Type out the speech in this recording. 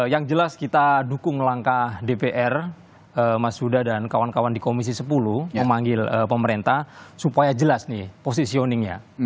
yang jelas kita dukung langkah dpr mas huda dan kawan kawan di komisi sepuluh memanggil pemerintah supaya jelas nih positioningnya